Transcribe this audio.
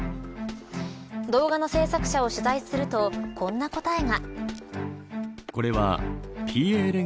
動画の制作者を取材するとこんな答えが。